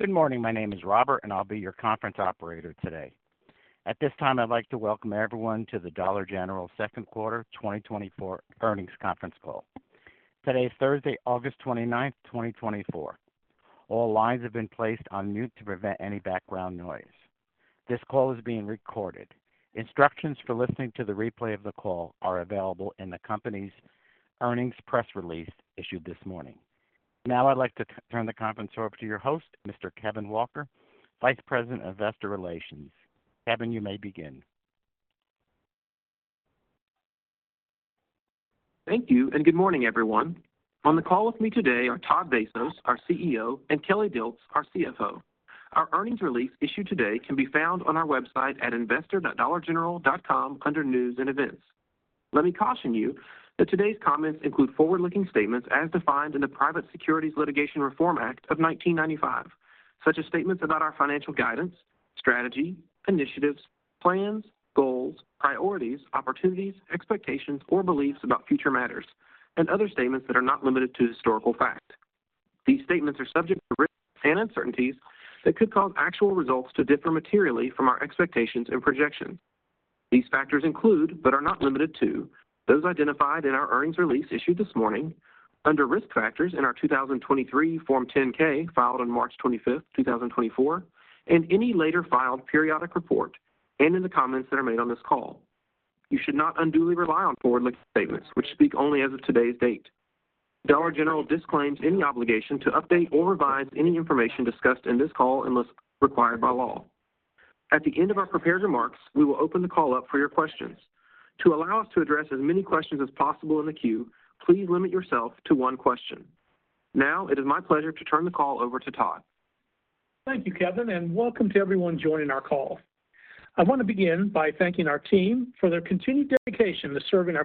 Good morning. My name is Robert, and I'll be your conference operator today. At this time, I'd like to welcome everyone to the Dollar General second quarter 2024 earnings conference call. Today is Thursday, August 29th, 2024. All lines have been placed on mute to prevent any background noise. This call is being recorded. Instructions for listening to the replay of the call are available in the company's earnings press release issued this morning. Now I'd like to turn the conference over to your host, Mr. Kevin Walker, Vice President of Investor Relations. Kevin, you may begin. Thank you, and good morning, everyone. On the call with me today are Todd Vasos, our CEO, and Kelly Dilts, our CFO. Our earnings release issued today can be found on our website at investor.dollargeneral.com under News and Events. Let me caution you that today's comments include forward-looking statements as defined in the Private Securities Litigation Reform Act of 1995, such as statements about our financial guidance, strategy, initiatives, plans, goals, priorities, opportunities, expectations or beliefs about future matters, and other statements that are not limited to historical fact. These statements are subject to risks and uncertainties that could cause actual results to differ materially from our expectations and projections. These factors include, but are not limited to, those identified in our earnings release issued this morning under Risk Factors in our 2023 Form 10-K, filed on March 25th, 2024, and any later filed periodic report, and in the comments that are made on this call. You should not unduly rely on forward-looking statements which speak only as of today's date. Dollar General disclaims any obligation to update or revise any information discussed in this call unless required by law. At the end of our prepared remarks, we will open the call up for your questions. To allow us to address as many questions as possible in the queue, please limit yourself to one question. Now, it is my pleasure to turn the call over to Todd. Thank you, Kevin, and welcome to everyone joining our call. I want to begin by thanking our team for their continued dedication to serving our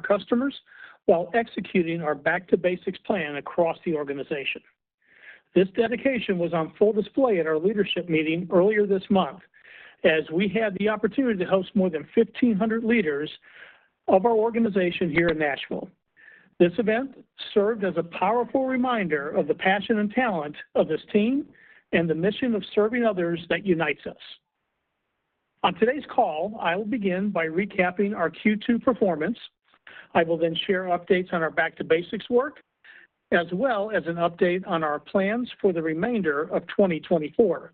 Back to Basics plan across the organization. This dedication was on full display at our leadership meeting earlier this month, as we had the opportunity to host more than 1,500 leaders of our organization here in Nashville. This event served as a powerful reminder of the passion and talent of this team and the mission of serving others that unites us. On today's call, I will begin by recapping our Q2 performance. I will then Back to Basics work, as well as an update on our plans for the remainder of 2024.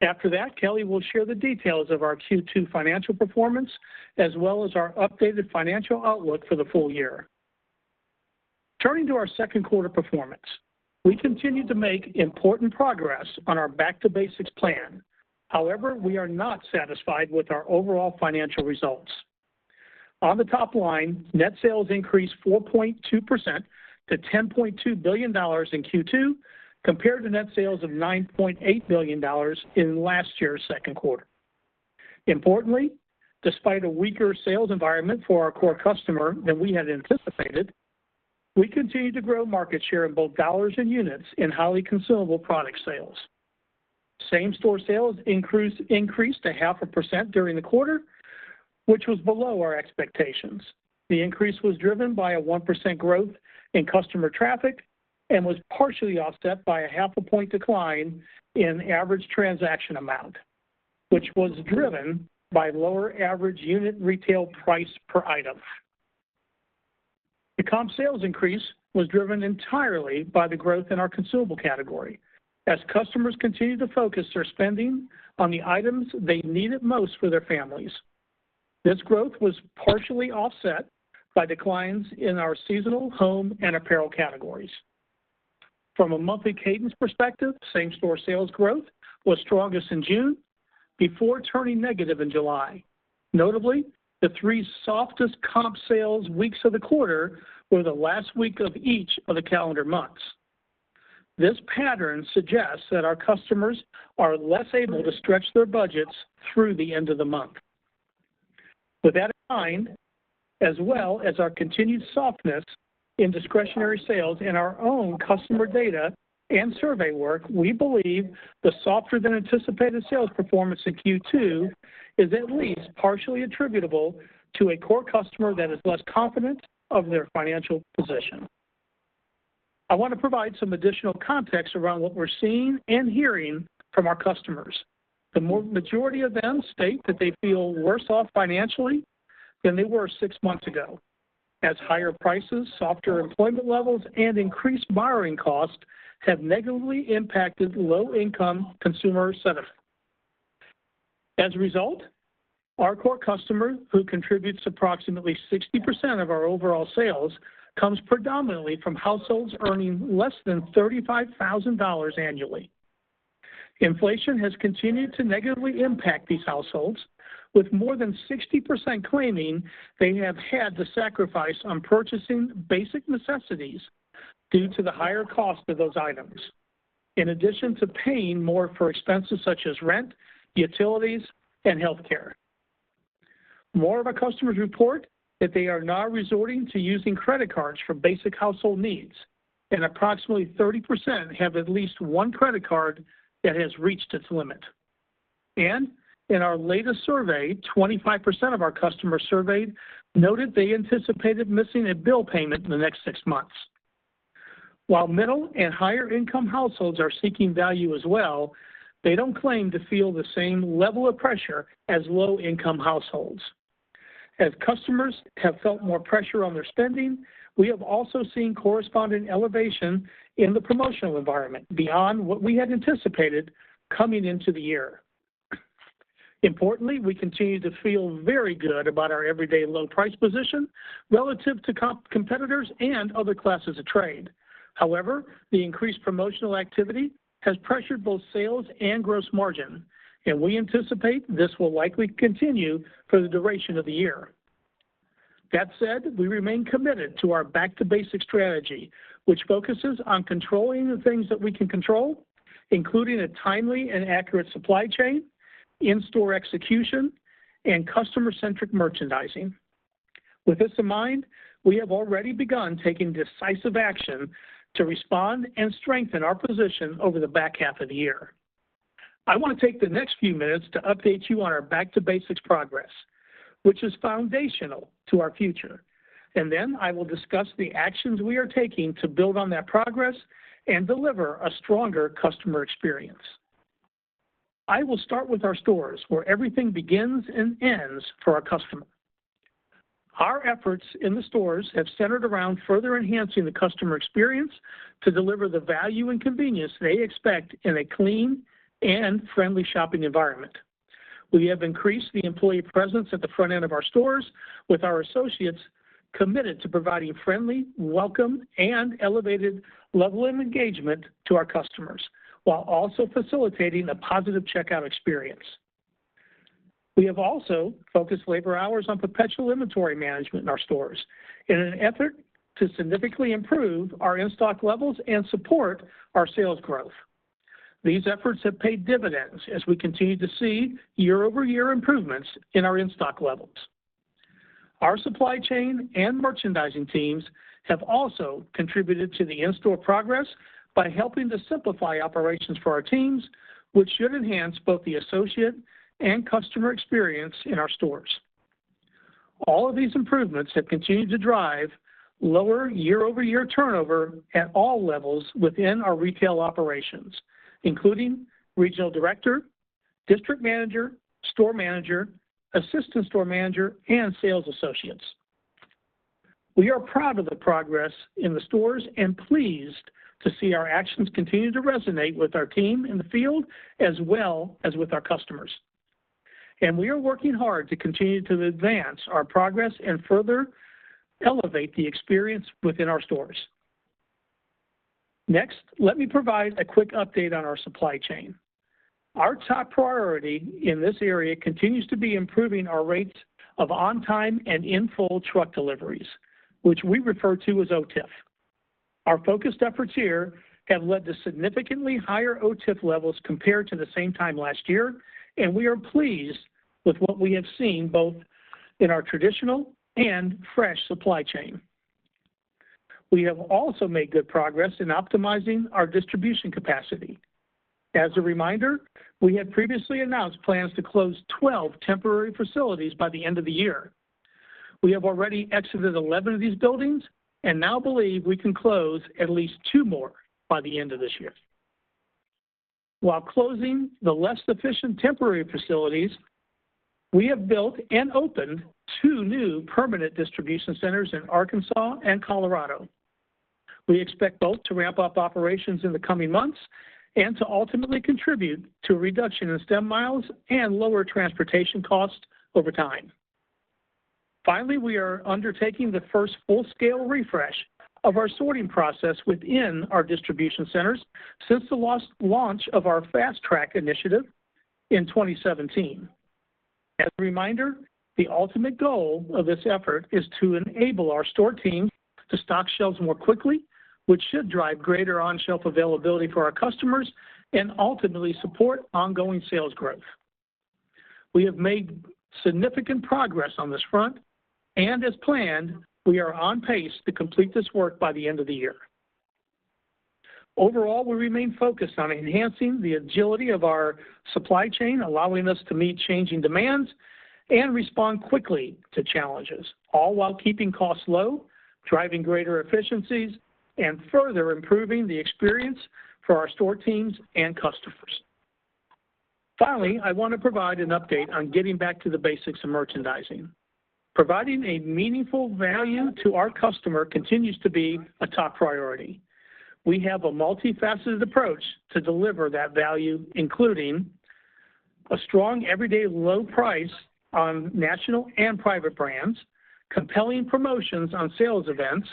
After that, Kelly will share the details of our Q2 financial performance, as well as our updated financial outlook for the full year. Turning to our second quarter performance, we continued to make Back to Basics plan. however, we are not satisfied with our overall financial results. On the top line, net sales increased 4.2% to $10.2 billion in Q2, compared to net sales of $9.8 billion in last year's second quarter. Importantly, despite a weaker sales environment for our core customer than we had anticipated, we continued to grow market share in both dollars and units in highly consumable product sales. Same-store sales increased to 0.5% during the quarter, which was below our expectations. The increase was driven by a 1% growth in customer traffic and was partially offset by a 0.5-point decline in average transaction amount, which was driven by lower average unit retail price per item. The comp sales increase was driven entirely by the growth in our consumable category as customers continued to focus their spending on the items they needed most for their families. This growth was partially offset by declines in our seasonal, home, and apparel categories. From a monthly cadence perspective, same-store sales growth was strongest in June before turning negative in July. Notably, the three softest comp sales weeks of the quarter were the last week of each of the calendar months. This pattern suggests that our customers are less able to stretch their budgets through the end of the month. With that in mind, as well as our continued softness in discretionary sales in our own customer data and survey work, we believe the softer-than-anticipated sales performance in Q2 is at least partially attributable to a core customer that is less confident of their financial position. I want to provide some additional context around what we're seeing and hearing from our customers. The majority of them state that they feel worse off financially than they were six months ago, as higher prices, softer employment levels, and increased borrowing costs have negatively impacted low-income consumer sentiment. As a result, our core customer, who contributes approximately 60% of our overall sales, comes predominantly from households earning less than $35,000 annually. Inflation has continued to negatively impact these households, with more than 60% claiming they have had to sacrifice on purchasing basic necessities due to the higher cost of those items, in addition to paying more for expenses such as rent, utilities, and healthcare. More of our customers report that they are now resorting to using credit cards for basic household needs, and approximately 30% have at least one credit card that has reached its limit. And in our latest survey, 25% of our customers surveyed noted they anticipated missing a bill payment in the next six months. While middle and higher income households are seeking value as well, they don't claim to feel the same level of pressure as low-income households. As customers have felt more pressure on their spending, we have also seen corresponding elevation in the promotional environment beyond what we had anticipated coming into the year. Importantly, we continue to feel very good about our everyday low price position relative to competitors and other classes of trade. However, the increased promotional activity has pressured both sales and gross margin, and we anticipate this will likely continue for the duration of the year. That said, we remain committed to our Back to Basics strategy, which focuses on controlling the things that we can control, including a timely and accurate supply chain, in-store execution, and customer-centric merchandising. With this in mind, we have already begun taking decisive action to respond and strengthen our position over the back half of the year. I want to take the next few minutes to Back to Basics progress, which is foundational to our future, and then I will discuss the actions we are taking to build on that progress and deliver a stronger customer experience. I will start with our stores, where everything begins and ends for our customer. Our efforts in the stores have centered around further enhancing the customer experience to deliver the value and convenience they expect in a clean and friendly shopping environment. We have increased the employee presence at the front end of our stores, with our associates committed to providing friendly, welcome, and elevated level of engagement to our customers, while also facilitating a positive checkout experience. We have also focused labor hours on perpetual inventory management in our stores in an effort to significantly improve our in-stock levels and support our sales growth. These efforts have paid dividends as we continue to see year-over-year improvements in our in-stock levels. Our supply chain and merchandising teams have also contributed to the in-store progress by helping to simplify operations for our teams, which should enhance both the associate and customer experience in our stores. All of these improvements have continued to drive lower year-over-year turnover at all levels within our retail operations, including regional director, district manager, store manager, assistant store manager, and sales associates. We are proud of the progress in the stores and pleased to see our actions continue to resonate with our team in the field, as well as with our customers, and we are working hard to continue to advance our progress and further elevate the experience within our stores. Next, let me provide a quick update on our supply chain. Our top priority in this area continues to be improving our rates of on-time and in-full truck deliveries, which we refer to as OTIF. Our focused efforts here have led to significantly higher OTIF levels compared to the same time last year, and we are pleased with what we have seen, both in our traditional and fresh supply chain. We have also made good progress in optimizing our distribution capacity. As a reminder, we had previously announced plans to close twelve temporary facilities by the end of the year. We have already exited eleven of these buildings and now believe we can close at least two more by the end of this year. While closing the less efficient temporary facilities, we have built and opened two new permanent distribution centers in Arkansas and Colorado. We expect both to ramp up operations in the coming months and to ultimately contribute to a reduction in stem miles and lower transportation costs over time. Finally, we are undertaking the first full-scale refresh of our sorting process within our distribution centers since the last launch of our Fast Track initiative in 2017. As a reminder, the ultimate goal of this effort is to enable our store team to stock shelves more quickly, which should drive greater on-shelf availability for our customers and ultimately support ongoing sales growth. We have made significant progress on this front, and as planned, we are on pace to complete this work by the end of the year. Overall, we remain focused on enhancing the agility of our supply chain, allowing us to meet changing demands and respond quickly to challenges, all while keeping costs low, driving greater efficiencies, and further improving the experience for our store teams and customers. Finally, I want to provide an update on getting back to the basics of merchandising. Providing a meaningful value to our customer continues to be a top priority. We have a multifaceted approach to deliver that value, including a strong, everyday, low price on national and private brands, compelling promotions on sales events,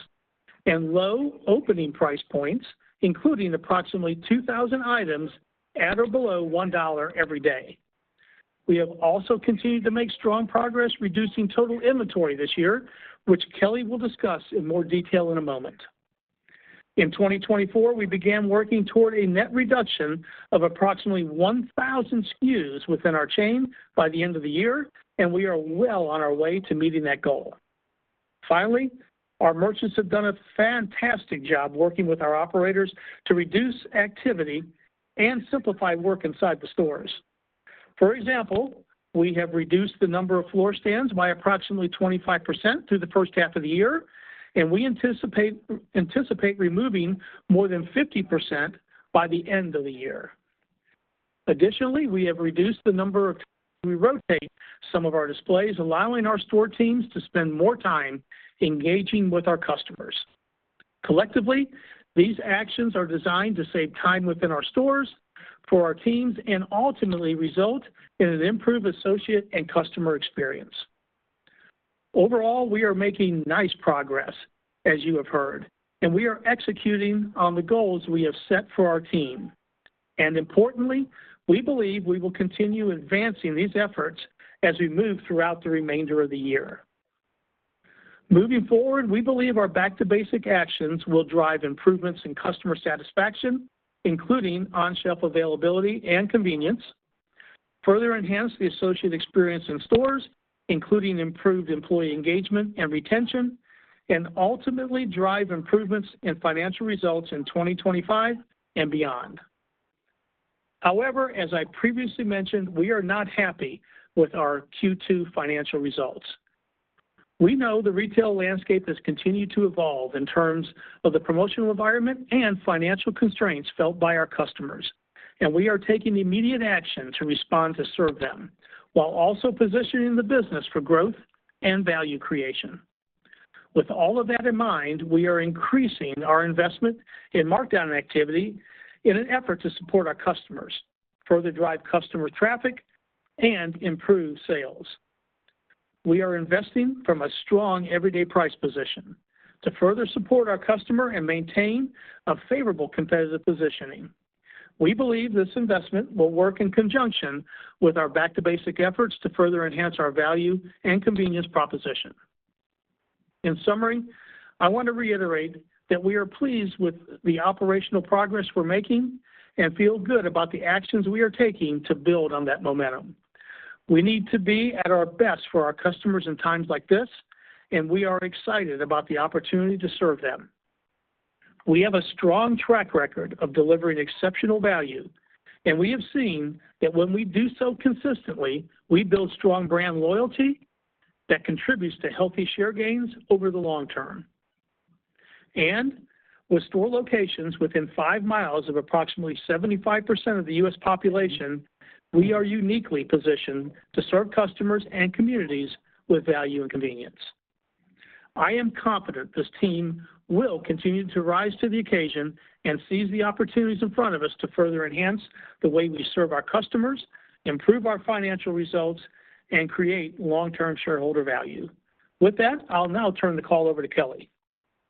and low opening price points, including approximately 2,000 items at or below $1 every day. We have also continued to make strong progress reducing total inventory this year, which Kelly will discuss in more detail in a moment. In 2024, we began working toward a net reduction of approximately 1,000 SKUs within our chain by the end of the year, and we are well on our way to meeting that goal. Finally, our merchants have done a fantastic job working with our operators to reduce activity and simplify work inside the stores. For example, we have reduced the number of floor stands by approximately 25% through the first half of the year, and we anticipate removing more than 50% by the end of the year. Additionally, we have reduced the number of displays we rotate, allowing our store teams to spend more time engaging with our customers. Collectively, these actions are designed to save time within our stores for our teams and ultimately result in an improved associate and customer experience. Overall, we are making nice progress, as you have heard, and we are executing on the goals we have set for our team, and importantly, we believe we will continue advancing these efforts as we move throughout the remainder of the year. Moving Back to Basics actions will drive improvements in customer satisfaction, including on-shelf availability and convenience, further enhance the associate experience in stores, including improved employee engagement and retention, and ultimately drive improvements in financial results in 2025 and beyond. However, as I previously mentioned, we are not happy with our Q2 financial results. We know the retail landscape has continued to evolve in terms of the promotional environment and financial constraints felt by our customers, and we are taking immediate action to respond, to serve them, while also positioning the business for growth and value creation. With all of that in mind, we are increasing our investment in markdown activity in an effort to support our customers, further drive customer traffic, and improve sales. We are investing from a strong everyday price position to further support our customer and maintain a favorable competitive positioning. We believe this investment will work in conjunction with our Back to Basics efforts to further enhance our value and convenience proposition. In summary, I want to reiterate that we are pleased with the operational progress we're making and feel good about the actions we are taking to build on that momentum. We need to be at our best for our customers in times like this, and we are excited about the opportunity to serve them. We have a strong track record of delivering exceptional value, and we have seen that when we do so consistently, we build strong brand loyalty that contributes to healthy share gains over the long term, and with store locations within five miles of approximately 75% of the U.S. population, we are uniquely positioned to serve customers and communities with value and convenience. I am confident this team will continue to rise to the occasion and seize the opportunities in front of us to further enhance the way we serve our customers, improve our financial results, and create long-term shareholder value. With that, I'll now turn the call over to Kelly.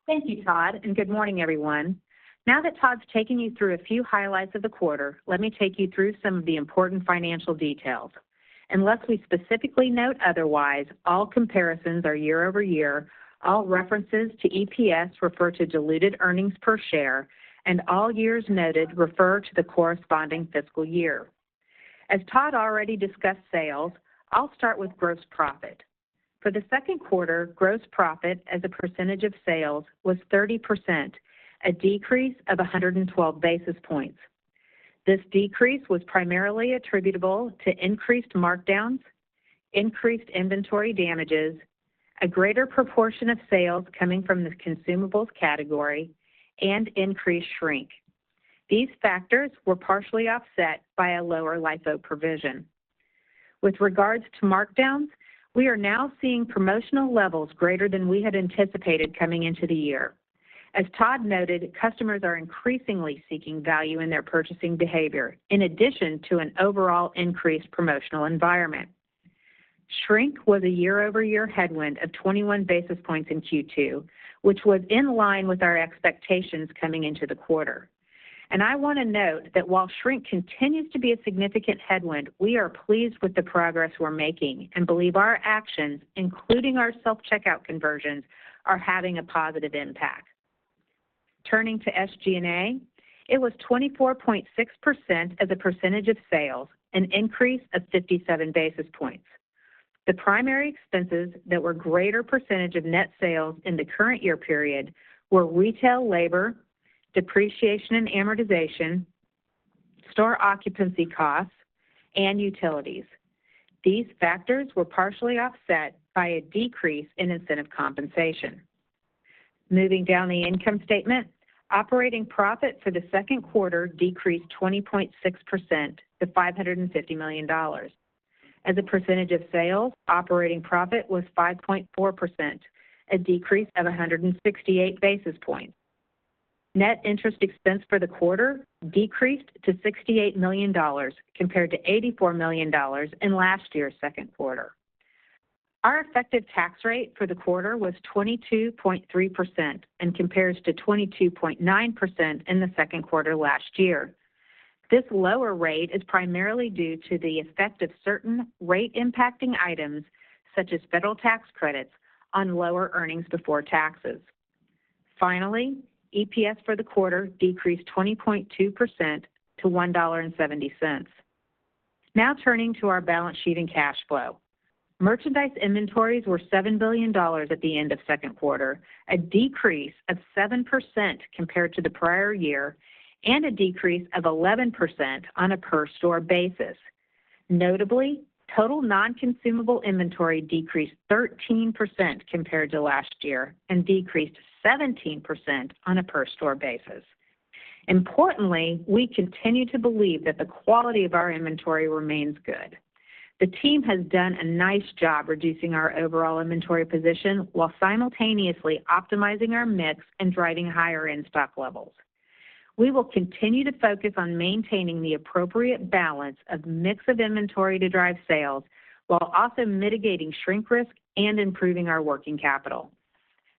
Thank you, Todd, and good morning, everyone. Now that Todd's taken you through a few highlights of the quarter, let me take you through some of the important financial details. Unless we specifically note otherwise, all comparisons are year over year, all references to EPS refer to diluted earnings per share, and all years noted refer to the corresponding fiscal year. As Todd already discussed sales, I'll start with gross profit. For the second quarter, gross profit as a percentage of sales was 30%, a decrease of 112 basis points. This decrease was primarily attributable to increased markdowns, increased inventory damages, a greater proportion of sales coming from the consumables category, and increased shrink. These factors were partially offset by a lower LIFO provision. With regards to markdowns, we are now seeing promotional levels greater than we had anticipated coming into the year. As Todd noted, customers are increasingly seeking value in their purchasing behavior, in addition to an overall increased promotional environment. Shrink was a year-over-year headwind of 21 basis points in Q2, which was in line with our expectations coming into the quarter. And I want to note that while shrink continues to be a significant headwind, we are pleased with the progress we're making and believe our actions, including our self-checkout conversions, are having a positive impact. Turning to SG&A, it was 24.6% as a percentage of sales, an increase of 57 basis points. The primary expenses that were greater percentage of net sales in the current year period were retail labor, depreciation and amortization, store occupancy costs, and utilities. These factors were partially offset by a decrease in incentive compensation. Moving down the income statement, operating profit for the second quarter decreased 20.6% to $550 million. As a percentage of sales, operating profit was 5.4%, a decrease of 168 basis points. Net interest expense for the quarter decreased to $68 million, compared to $84 million in last year's second quarter. Our effective tax rate for the quarter was 22.3% and compares to 22.9% in the second quarter last year. This lower rate is primarily due to the effect of certain rate impacting items, such as federal tax credits on lower earnings before taxes. Finally, EPS for the quarter decreased 20.2% to $1.70. Now turning to our balance sheet and cash flow. Merchandise inventories were $7 billion at the end of second quarter, a decrease of 7% compared to the prior year and a decrease of 11% on a per store basis. Notably, total non-consumable inventory decreased 13% compared to last year and decreased 17% on a per store basis. Importantly, we continue to believe that the quality of our inventory remains good. The team has done a nice job reducing our overall inventory position while simultaneously optimizing our mix and driving higher in-stock levels. We will continue to focus on maintaining the appropriate balance of mix of inventory to drive sales, while also mitigating shrink risk and improving our working capital.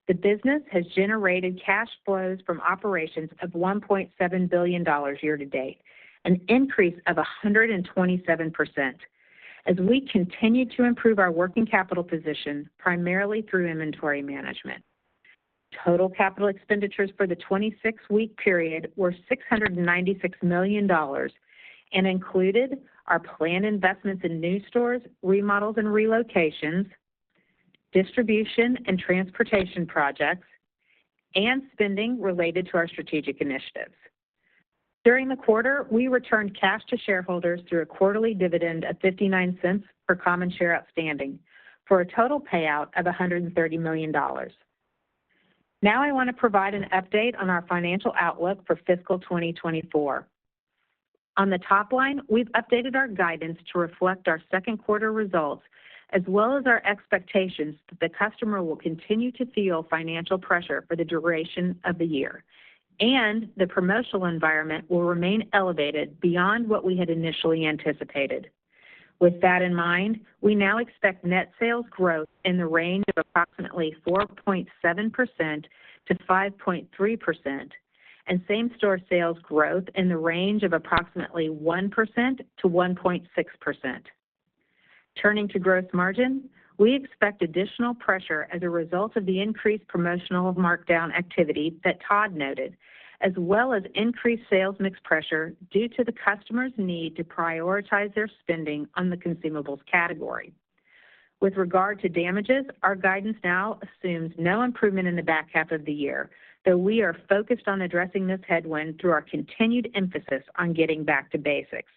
The business has generated cash flows from operations of $1.7 billion year to date, an increase of 127%. As we continue to improve our working capital position, primarily through inventory management, total capital expenditures for the 26-week period were $696 million and included our planned investments in new stores, remodels and relocations, distribution and transportation projects, and spending related to our strategic initiatives. During the quarter, we returned cash to shareholders through a quarterly dividend of $0.59 per common share outstanding, for a total payout of $130 million. Now, I want to provide an update on our financial outlook for fiscal 2024. On the top line, we've updated our guidance to reflect our second quarter results, as well as our expectations that the customer will continue to feel financial pressure for the duration of the year, and the promotional environment will remain elevated beyond what we had initially anticipated. With that in mind, we now expect net sales growth in the range of approximately 4.7% to 5.3%, and same-store sales growth in the range of approximately 1% to 1.6%. Turning to gross margin, we expect additional pressure as a result of the increased promotional markdown activity that Todd noted, as well as increased sales mix pressure due to the customer's need to prioritize their spending on the consumables category. With regard to shrink, our guidance now assumes no improvement in the back half of the year, though we are focused on addressing this headwind through our continued emphasis on getting Back to Basics.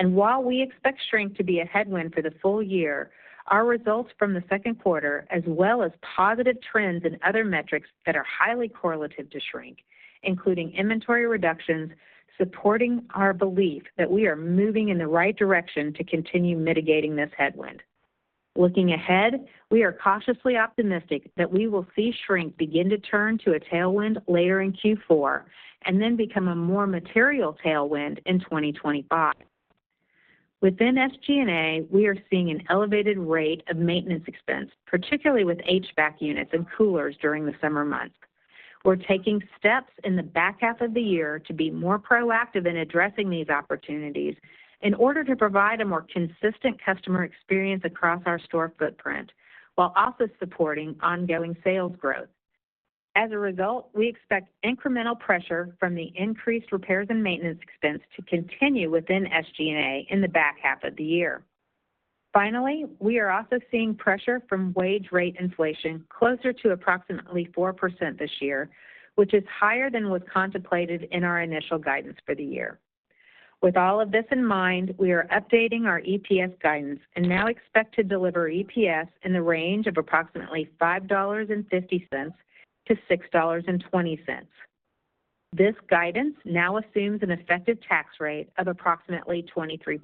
While we expect shrink to be a headwind for the full year, our results from the second quarter, as well as positive trends in other metrics that are highly correlative to shrink, including inventory reductions, supporting our belief that we are moving in the right direction to continue mitigating this headwind. Looking ahead, we are cautiously optimistic that we will see shrink begin to turn to a tailwind later in Q4, and then become a more material tailwind in 2025. Within SG&A, we are seeing an elevated rate of maintenance expense, particularly with HVAC units and coolers during the summer months. We're taking steps in the back half of the year to be more proactive in addressing these opportunities in order to provide a more consistent customer experience across our store footprint, while also supporting ongoing sales growth. As a result, we expect incremental pressure from the increased repairs and maintenance expense to continue within SG&A in the back half of the year. Finally, we are also seeing pressure from wage rate inflation closer to approximately 4% this year, which is higher than was contemplated in our initial guidance for the year. With all of this in mind, we are updating our EPS guidance and now expect to deliver EPS in the range of approximately $5.50 to $6.20. This guidance now assumes an effective tax rate of approximately 23%.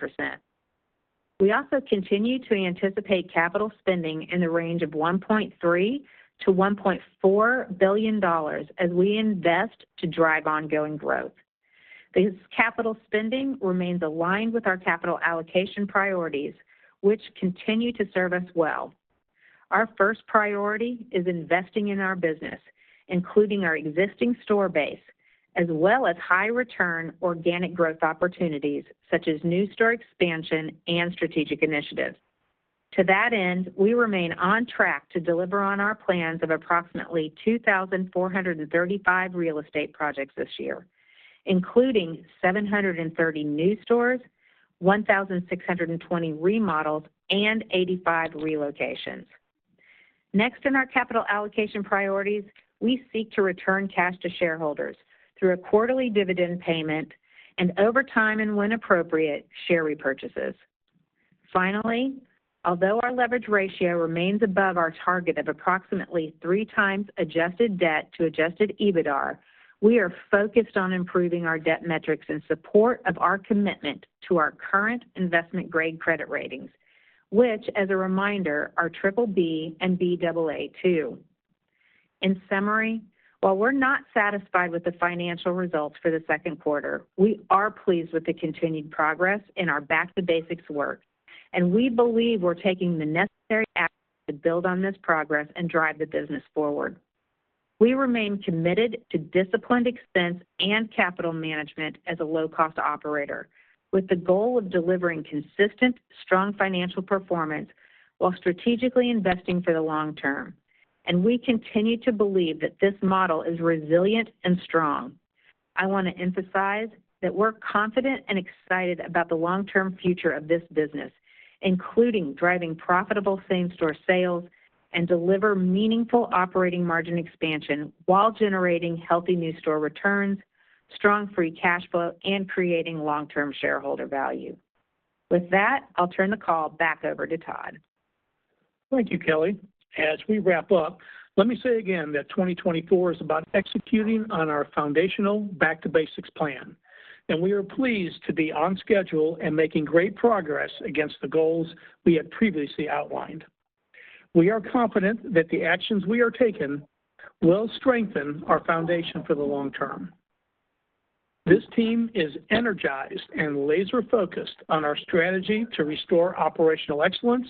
We also continue to anticipate capital spending in the range of $1.3 billion-$1.4 billion as we invest to drive ongoing growth. This capital spending remains aligned with our capital allocation priorities, which continue to serve us well. Our first priority is investing in our business, including our existing store base, as well as high return organic growth opportunities such as new store expansion and strategic initiatives. To that end, we remain on track to deliver on our plans of approximately 2,435 real estate projects this year, including 730 new stores, 1,620 remodels, and 85 relocations. Next, in our capital allocation priorities, we seek to return cash to shareholders through a quarterly dividend payment and over time and when appropriate, share repurchases. Finally, although our leverage ratio remains above our target of approximately three times adjusted debt to adjusted EBITDA, we are focused on improving our debt metrics in support of our commitment to our current investment-grade credit ratings, which, as a reminder, are BBB and Baa2. In summary, while we're not satisfied with the financial results for the second quarter, we are pleased with the Back to Basics work, and we believe we're taking the necessary actions to build on this progress and drive the business forward. We remain committed to disciplined expense and capital management as a low-cost operator, with the goal of delivering consistent, strong financial performance while strategically investing for the long term. And we continue to believe that this model is resilient and strong. I want to emphasize that we're confident and excited about the long-term future of this business, including driving profitable same-store sales and deliver meaningful operating margin expansion while generating healthy new store returns, strong free cash flow, and creating long-term shareholder value. With that, I'll turn the call back over to Todd. Thank you, Kelly. As we wrap up, let me say again that 2024 is about Back to Basics plan, and we are pleased to be on schedule and making great progress against the goals we had previously outlined. We are confident that the actions we are taking will strengthen our foundation for the long term. This team is energized and laser-focused on our strategy to restore operational excellence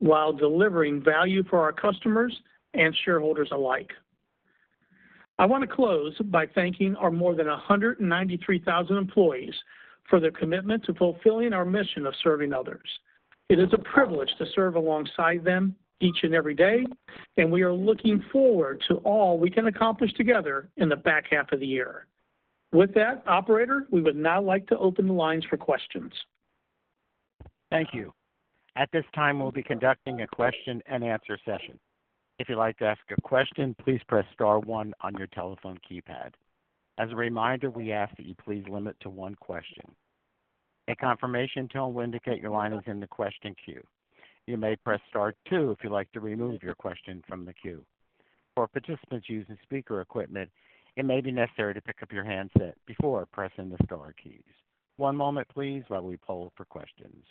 while delivering value for our customers and shareholders alike. I want to close by thanking our more than 193,000 employees for their commitment to fulfilling our mission of serving others. It is a privilege to serve alongside them each and every day, and we are looking forward to all we can accomplish together in the back half of the year. With that, operator, we would now like to open the lines for questions. Thank you. At this time, we'll be conducting a question-and-answer session. If you'd like to ask a question, please press star one on your telephone keypad. As a reminder, we ask that you please limit to one question. A confirmation tone will indicate your line is in the question queue. You may press star two if you'd like to remove your question from the queue. For participants using speaker equipment, it may be necessary to pick up your handset before pressing the star keys. One moment, please, while we poll for questions.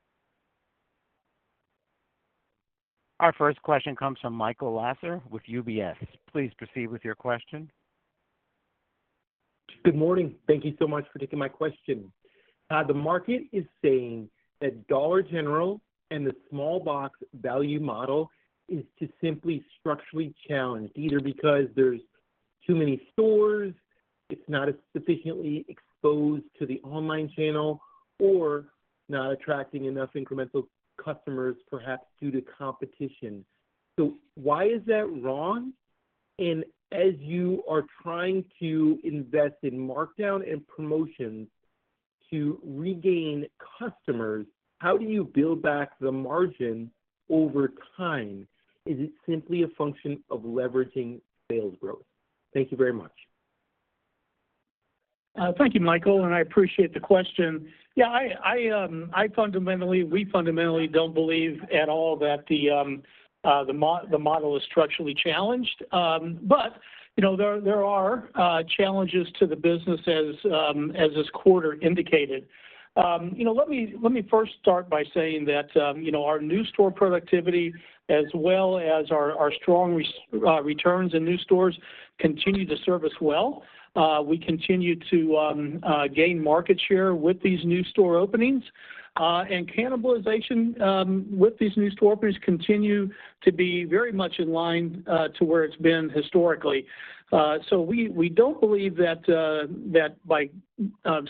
Our first question comes from Michael Lasser with UBS. Please proceed with your question. Good morning. Thank you so much for taking my question. The market is saying that Dollar General and the small box value model is just simply structurally challenged, either because there's too many stores, it's not as sufficiently exposed to the online channel, or not attracting enough incremental customers, perhaps due to competition. So why is that wrong? And as you are trying to invest in markdown and promotions to regain customers, how do you build back the margin over time? Is it simply a function of leveraging sales growth? Thank you very much. Thank you, Michael, and I appreciate the question. Yeah, we fundamentally don't believe at all that the model is structurally challenged. But you know, there are challenges to the business as this quarter indicated. You know, let me first start by saying that you know, our new store productivity, as well as our strong returns in new stores, continue to serve us well. We continue to gain market share with these new store openings, and cannibalization with these new store openings continue to be very much in line to where it's been historically. So we don't believe that by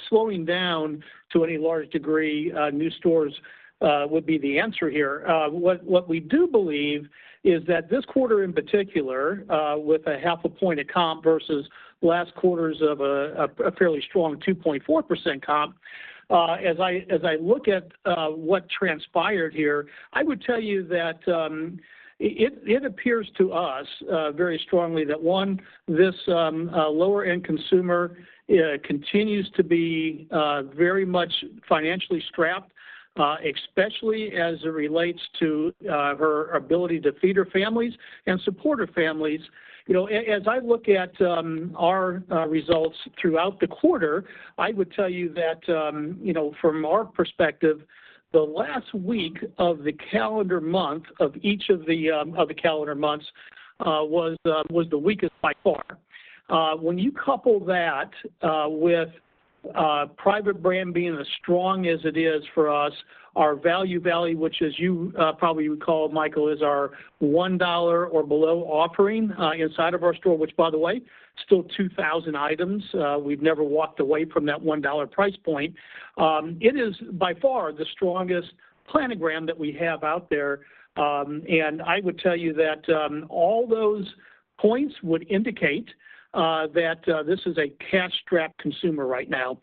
slowing down to any large degree new stores would be the answer here. What we do believe is that this quarter in particular, with a 0.5 point of comp versus last quarter's of a fairly strong 2.4% comp, as I look at what transpired here, I would tell you that it appears to us very strongly that one, this lower-end consumer continues to be very much financially strapped, especially as it relates to her ability to feed her families and support her families. You know, as I look at our results throughout the quarter, I would tell you that, you know, from our perspective, the last week of the calendar month of each of the calendar months was the weakest by far. When you couple that with private brand being as strong as it is for us, our value, which as you probably would call it, Michael, is our $1 or below offering inside of our store, which, by the way, still 2,000 items. We've never walked away from that $1 price point. It is by far the strongest planogram that we have out there and I would tell you that all those points would indicate that this is a cash-strapped consumer right now,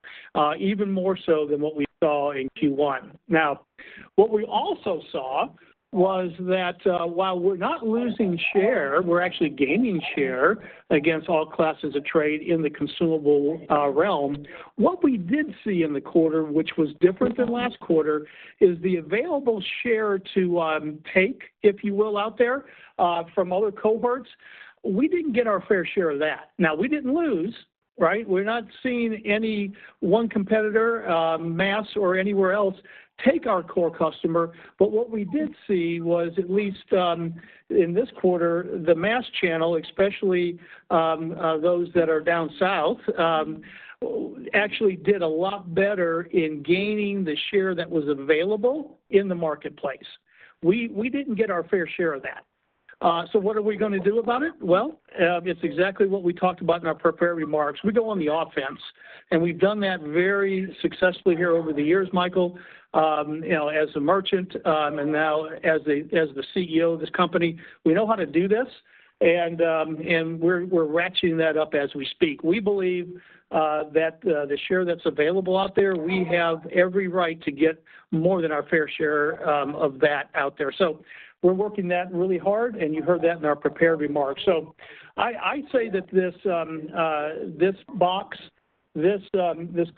even more so than what we saw in Q1. Now, what we also saw was that while we're not losing share, we're actually gaining share against all classes of trade in the consumable realm. What we did see in the quarter, which was different than last quarter, is the available share to take, if you will, out there from other cohorts. We didn't get our fair share of that. Now, we didn't lose, right? We're not seeing any one competitor mass or anywhere else take our core customer. But what we did see was, at least in this quarter, the mass channel, especially those that are down south actually did a lot better in gaining the share that was available in the marketplace. We didn't get our fair share of that. So what are we going to do about it? Well, it's exactly what we talked about in our prepared remarks. We go on the offense, and we've done that very successfully here over the years, Michael. You know, as a merchant, and now as the CEO of this company, we know how to do this, and we're ratcheting that up as we speak. We believe that the share that's available out there, we have every right to get more than our fair share of that out there. So we're working that really hard, and you heard that in our prepared remarks. So I'd say that this box, this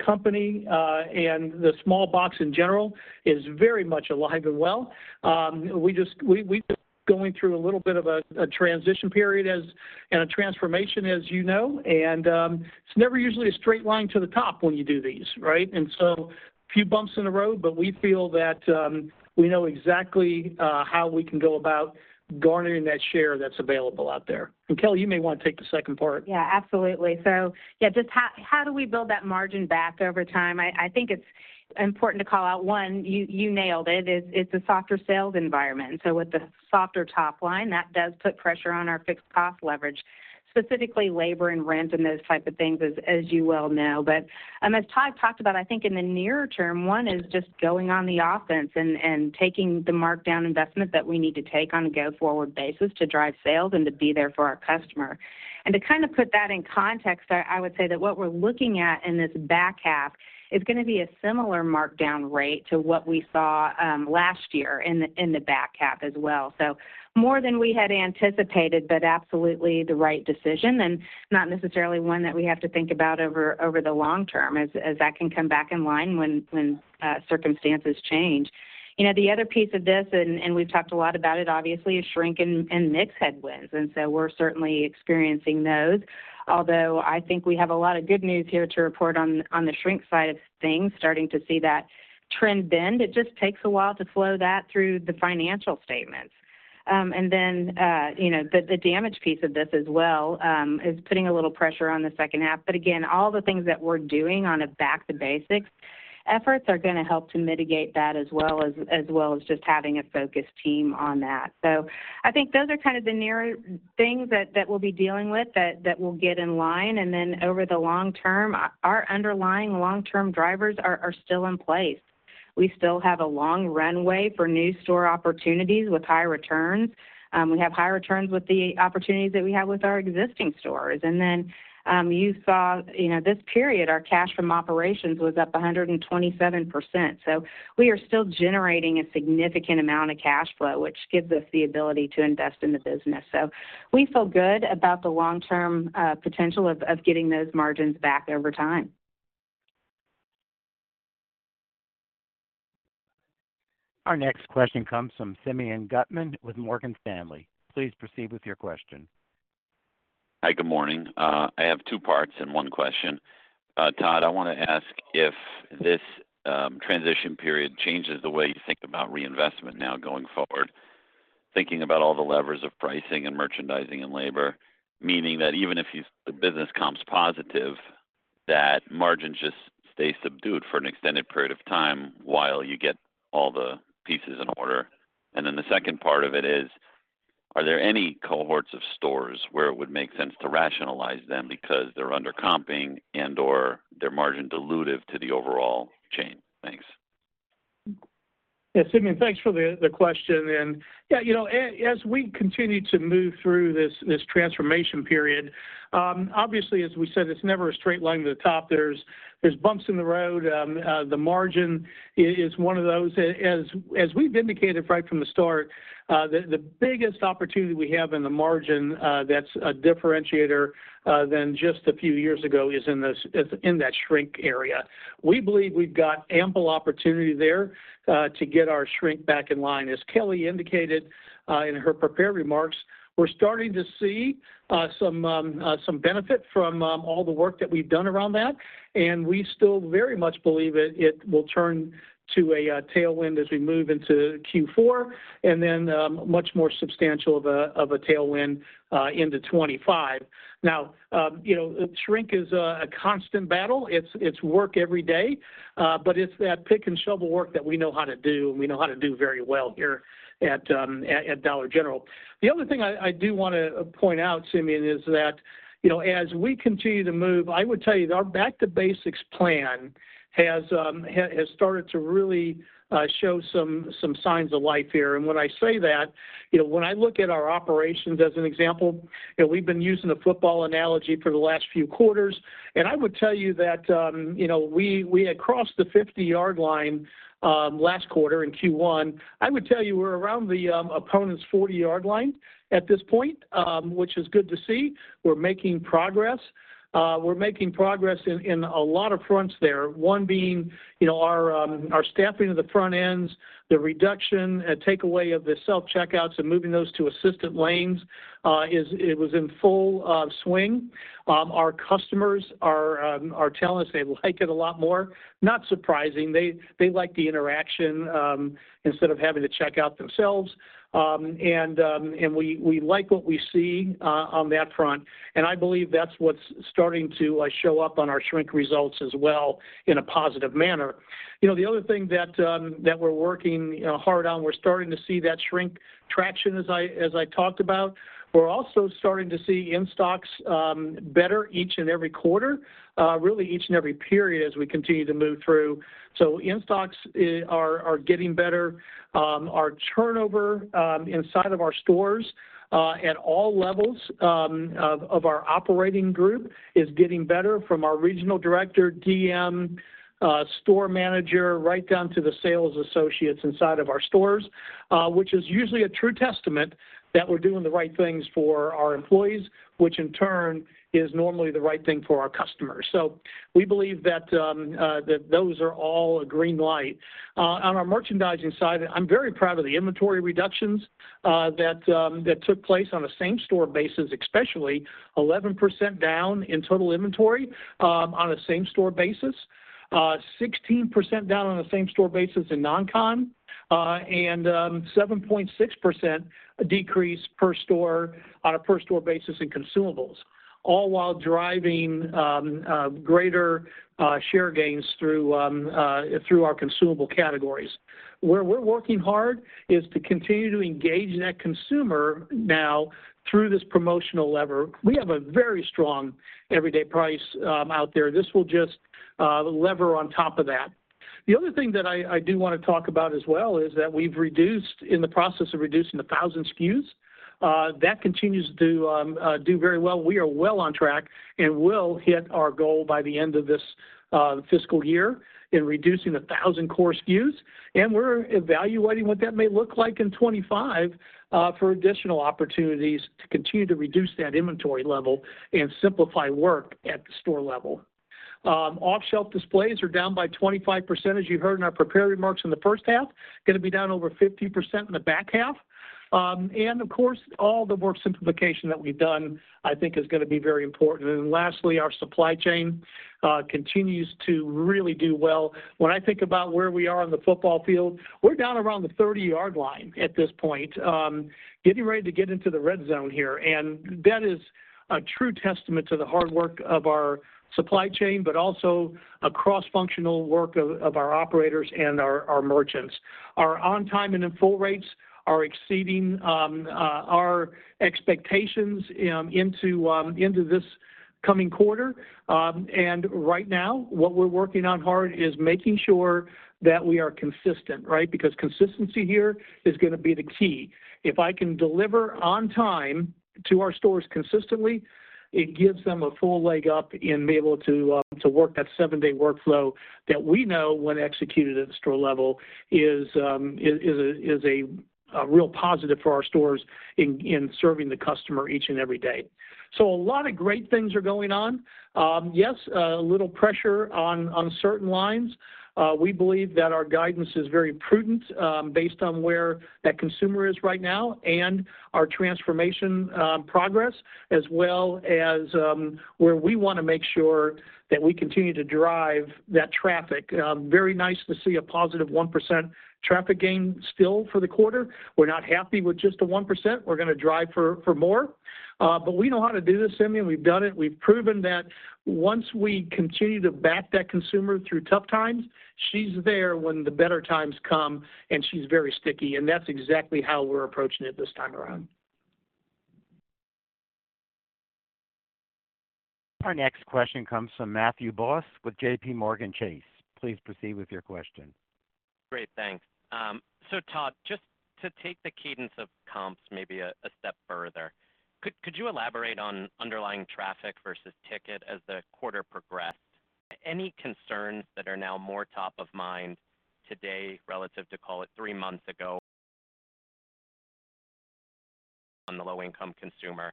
company, and the small box in general, is very much alive and well. We just, we've been going through a little bit of a transition period and a transformation, as you know. It's never usually a straight line to the top when you do these, right? And so a few bumps in the road, but we feel that we know exactly how we can go about garnering that share that's available out there. And, Kelly, you may want to take the second part. Yeah, absolutely. So, yeah, just how do we build that margin back over time? I think it's important to call out, one, you nailed it. It's a softer sales environment. So with the softer top line, that does put pressure on our fixed cost leverage, specifically labor and rent and those type of things, as you well know. But, as Todd talked about, I think in the near term, one is just going on the offense and taking the markdown investment that we need to take on a go-forward basis to drive sales and to be there for our customer. And to kind of put that in context, I would say that what we're looking at in this back half is gonna be a similar markdown rate to what we saw last year in the back half as well. So more than we had anticipated, but absolutely the right decision, and not necessarily one that we have to think about over the long term, as that can come back in line when circumstances change. You know, the other piece of this, and we've talked a lot about it, obviously, is shrink and mix headwinds, and so we're certainly experiencing those. Although I think we have a lot of good news here to report on the shrink side of things, starting to see that trend bend. It just takes a while to flow that through the financial statements, and then you know, the damage piece of this as well is putting a little pressure on the second half. But again, all the things that we're doing Back to Basics efforts are gonna help to mitigate that, as well as just having a focused team on that. So I think those are kind of the nearer things that we'll be dealing with, that will get in line. And then over the long term, our underlying long-term drivers are still in place. We still have a long runway for new store opportunities with high returns. We have high returns with the opportunities that we have with our existing stores. And then, you know, this period, our cash from operations was up 127%. So we are still generating a significant amount of cash flow, which gives us the ability to invest in the business. So we feel good about the long-term potential of getting those margins back over time. Our next question comes from Simeon Gutman with Morgan Stanley. Please proceed with your question. Hi, good morning. I have two parts in one question. Todd, I want to ask if this transition period changes the way you think about reinvestment now going forward, thinking about all the levers of pricing and merchandising and labor, meaning that even if the business comps positive, that margin just stays subdued for an extended period of time while you get all the pieces in order. Then the second part of it is, are there any cohorts of stores where it would make sense to rationalize them because they're under comping and/or they're margin dilutive to the overall chain? Thanks. Yeah, Simeon, thanks for the question, and yeah, you know, as we continue to move through this transformation period, obviously, as we said, it's never a straight line to the top. There's bumps in the road. The margin is one of those. As we've indicated right from the start, the biggest opportunity we have in the margin, that's a differentiator than just a few years ago, is in that shrink area. We believe we've got ample opportunity there to get our shrink back in line. As Kelly indicated in her prepared remarks, we're starting to see some benefit from all the work that we've done around that, and we still very much believe it will turn to a tailwind as we move into Q4, and then much more substantial of a tailwind into 2025. Now, you know, shrink is a constant battle. It's work every day, but it's that pick and shovel work that we know how to do, and we know how to do very well here at Dollar General. The other thing I do want to point out, Simeon, is that, you know, as we continue to move, I would tell you Back to Basics plan has started to really show some signs of life here. When I say that, you know, when I look at our operations as an example, you know, we've been using the football analogy for the last few quarters, and I would tell you that, you know, we had crossed the fifty-yard line last quarter in Q1. I would tell you we're around the opponent's 40-yard line at this point, which is good to see. We're making progress. We're making progress in a lot of fronts there. One being, you know, our staffing of the front ends, the reduction and take away of the self-checkouts and moving those to assisted lanes was in full swing. Our customers are telling us they like it a lot more. Not surprising. They like the interaction instead of having to check out themselves. We like what we see on that front, and I believe that's what's starting to show up on our shrink results as well in a positive manner. You know, the other thing that we're working, you know, hard on, we're starting to see that shrink traction, as I talked about. We're also starting to see in-stocks better each and every quarter, really each and every period as we continue to move through, so in-stocks are getting better. Our turnover inside of our stores at all levels of our operating group is getting better from our regional director, DM, store manager, right down to the sales associates inside of our stores, which is usually a true testament that we're doing the right things for our employees, which in turn is normally the right thing for our customers. We believe that those are all a green light. On our merchandising side, I'm very proud of the inventory reductions that took place on a same store basis, especially 11% down in total inventory, on a same store basis, 16% down on a same store basis in non-con and 7.6% decrease per store on a per store basis in consumables, all while driving greater share gains through our consumable categories. Where we're working hard is to continue to engage that consumer now through this promotional lever. We have a very strong everyday price out there. This will just lever on top of that. The other thing that I do want to talk about as well is that we've reduced in the process of reducing 1,000 SKUs, that continues to do very well. We are well on track and will hit our goal by the end of this fiscal year in reducing 1,000 core SKUs, and we're evaluating what that may look like in 2025 for additional opportunities to continue to reduce that inventory level and simplify work at the store level. Off-shelf displays are down by 25%, as you heard in our prepared remarks in the first half, going to be down over 50% in the back half, and of course, all the work simplification that we've done, I think, is going to be very important, and lastly, our supply chain continues to really do well. When I think about where we are on the football field, we're down around the 30-yard line at this point, getting ready to get into the red zone here. And that is a true testament to the hard work of our supply chain, but also a cross-functional work of our operators and our merchants. Our on-time and in-full rates are exceeding our expectations into this coming quarter. And right now, what we're working on hard is making sure that we are consistent, right? Because consistency here is going to be the key. If I can deliver on time to our stores consistently, it gives them a full leg up in being able to work that seven-day workflow that we know when executed at the store level is a real positive for our stores in serving the customer each and every day. So a lot of great things are going on. Yes, a little pressure on certain lines. We believe that our guidance is very prudent, based on where that consumer is right now and our transformation progress, as well as where we want to make sure that we continue to drive that traffic. Very nice to see a positive 1% traffic gain still for the quarter. We're not happy with just the 1%. We're going to drive for more, but we know how to do this, Simeon. We've done it. We've proven that once we continue to back that consumer through tough times, she's there when the better times come, and she's very sticky, and that's exactly how we're approaching it this time around. Our next question comes from Matthew Boss with JPMorgan Chase. Please proceed with your question. Great, thanks. So Todd, just to take the cadence of comps maybe a step further, could you elaborate on underlying traffic versus ticket as the quarter progressed? Any concerns that are now more top of mind today relative to, call it, three months ago on the low-income consumer?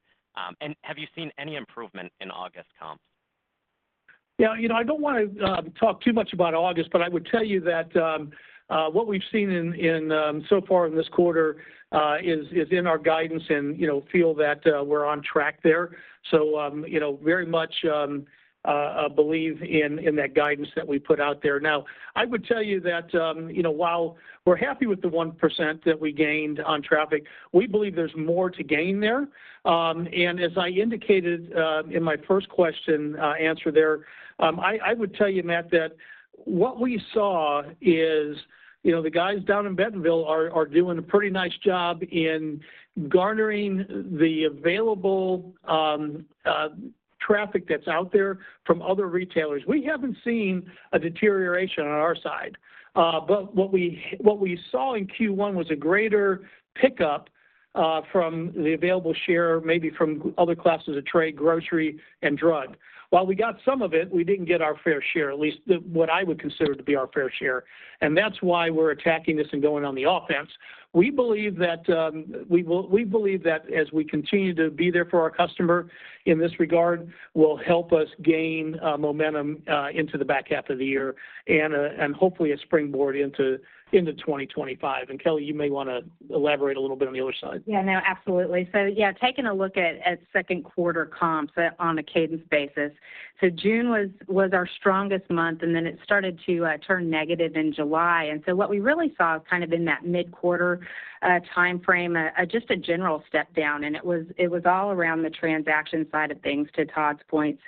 And have you seen any improvement in August comps? Yeah, you know, I don't want to talk too much about August, but I would tell you that what we've seen in so far in this quarter is in our guidance and, you know, feel that we're on track there. So, you know, very much believe in that guidance that we put out there. Now, I would tell you that, you know, while we're happy with the 1% that we gained on traffic, we believe there's more to gain there. And as I indicated in my first question answer there, I would tell you, Matt, that what we saw is, you know, the guys down in Bentonville are doing a pretty nice job in garnering the available traffic that's out there from other retailers. We haven't seen a deterioration on our side, but what we saw in Q1 was a greater pickup from the available share, maybe from other classes of trade, grocery, and drug. While we got some of it, we didn't get our fair share, at least what I would consider to be our fair share, and that's why we're attacking this and going on the offense. We believe that as we continue to be there for our customer in this regard, will help us gain momentum into the back half of the year and hopefully a springboard into 2025. And Kelly, you may want to elaborate a little bit on the other side. Yeah, no, absolutely. Yeah, taking a look at second quarter comps on a cadence basis. June was our strongest month, and then it started to turn negative in July. What we really saw kind of in that mid-quarter time frame was just a general step down, and it was all around the transaction side of things, to Todd's point.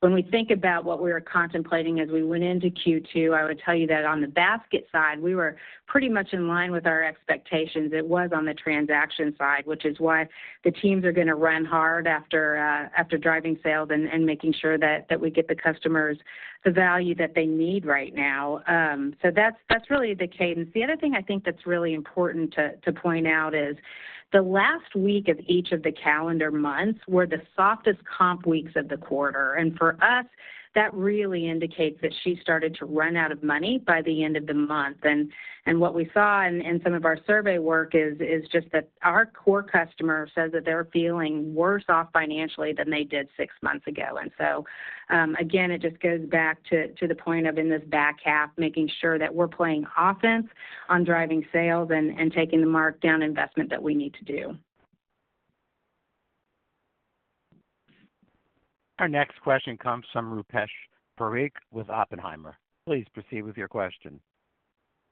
When we think about what we were contemplating as we went into Q2, I would tell you that on the basket side, we were pretty much in line with our expectations. It was on the transaction side, which is why the teams are going to run hard after driving sales and making sure that we get the customers the value that they need right now. That's really the cadence. The other thing I think that's really important to point out is the last week of each of the calendar months were the softest comp weeks of the quarter, and for us, that really indicates that she started to run out of money by the end of the month. And what we saw in some of our survey work is just that our core customer says that they're feeling worse off financially than they did six months ago. And so, again, it just goes back to the point of in this back half, making sure that we're playing offense on driving sales and taking the markdown investment that we need to do. Our next question comes from Rupesh Parikh with Oppenheimer. Please proceed with your question.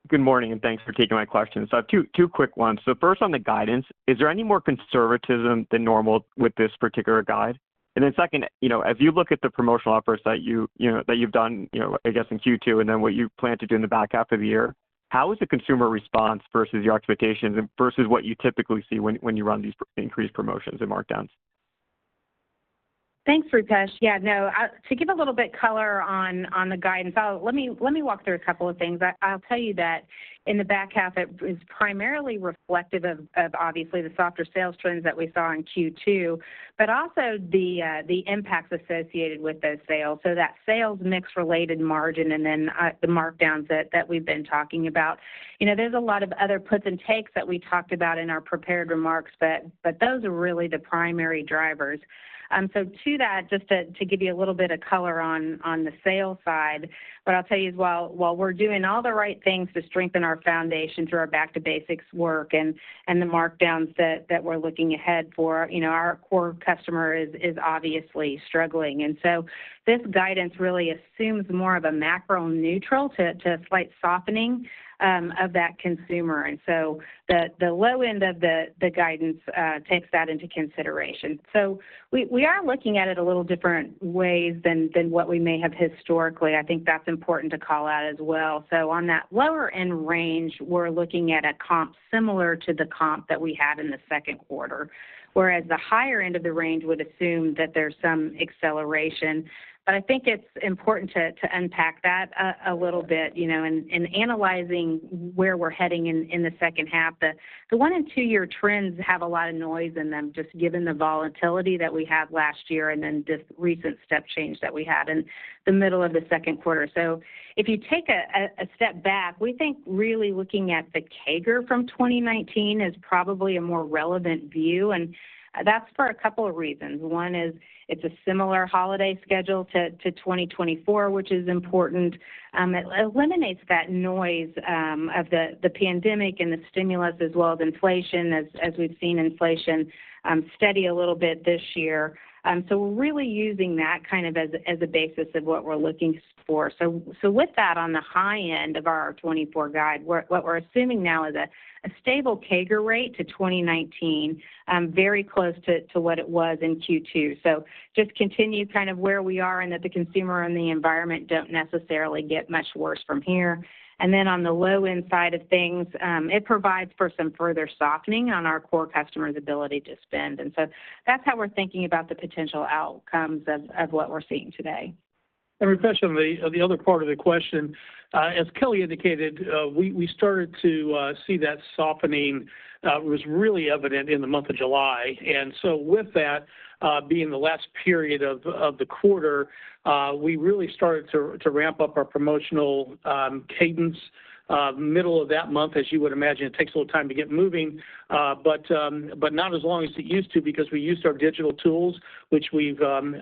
Good morning, and thanks for taking my question. So I have two quick ones. So first, on the guidance, is there any more conservatism than normal with this particular guide? And then second, you know, as you look at the promotional offers that you know that you've done, you know, I guess, in Q2, and then what you plan to do in the back half of the year, how is the consumer response versus your expectations and versus what you typically see when you run these increased promotions and markdowns? Thanks, Rupesh. Yeah, no, to give a little bit color on the guidance, let me walk through a couple of things. I'll tell you that in the back half, it is primarily reflective of obviously the softer sales trends that we saw in Q2, but also the impacts associated with those sales. So that sales mix-related margin and then the markdowns that we've been talking about. You know, there's a lot of other puts and takes that we talked about in our prepared remarks, but those are really the primary drivers. So to that, just to give you a little bit of color on the sales side, what I'll tell you is while we're doing all the right things to strengthen our foundation Back to Basics work and the markdowns that we're looking ahead for, you know, our core customer is obviously struggling. And so this guidance really assumes more of a macro neutral to a slight softening of that consumer. And so the low end of the guidance takes that into consideration. So we are looking at it a little different ways than what we may have historically. I think that's important to call out as well. On that lower end range, we're looking at a comp similar to the comp that we had in the second quarter, whereas the higher end of the range would assume that there's some acceleration. But I think it's important to unpack that a little bit, you know, in analyzing where we're heading in the second half. The one and two-year trends have a lot of noise in them, just given the volatility that we had last year and then this recent step change that we had in the middle of the second quarter. If you take a step back, we think really looking at the CAGR from 2019 is probably a more relevant view, and that's for a couple of reasons. One is it's a similar holiday schedule to 2024, which is important. It eliminates that noise of the pandemic and the stimulus, as well as inflation, as we've seen inflation steady a little bit this year. So we're really using that kind of as a basis of what we're looking for. So with that, on the high end of our 2024 guide, what we're assuming now is a stable CAGR rate to 2019, very close to what it was in Q2. So just continue kind of where we are and that the consumer and the environment don't necessarily get much worse from here. Then on the low-end side of things, it provides for some further softening on our core customer's ability to spend. So that's how we're thinking about the potential outcomes of what we're seeing today. Rupesh, on the other part of the question, as Kelly indicated, we started to see that softening was really evident in the month of July. And so with that, being the last period of the quarter, we really started to ramp up our promotional cadence middle of that month. As you would imagine, it takes a little time to get moving, but not as long as it used to because we used our digital tools, which we've done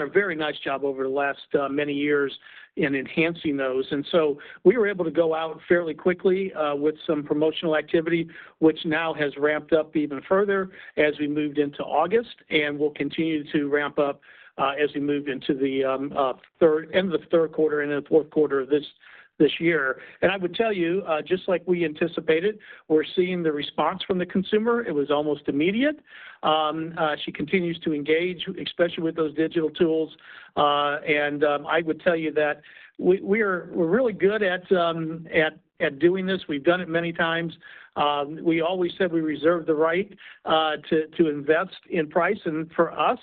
a very nice job over the last many years in enhancing those. We were able to go out fairly quickly with some promotional activity, which now has ramped up even further as we moved into August and will continue to ramp up as we move into the end of the third quarter and into the fourth quarter of this year. I would tell you, just like we anticipated, we're seeing the response from the consumer. It was almost immediate. She continues to engage, especially with those digital tools. I would tell you that we're really good at doing this. We've done it many times. We always said we reserve the right to invest in price. And for us,